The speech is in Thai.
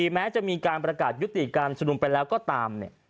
แม้จะมีการประกาศยุติการสนุมไปแล้วก็ตาม